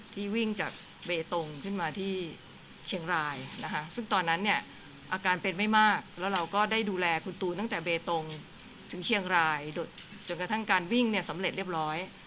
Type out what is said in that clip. ที่วิ่งจากเบตงขึ้นมาที่เชียงรายนะคะซึ่งตอนนั้นเนี่ยอาการเป็นไม่มากแล้วเราก็ได้ดูแลคุณตูนตั้งแต่เบตงถึงเชียงรายจนกระทั่งการวิ่งเนี่ยสำเร็จเรียบร้อย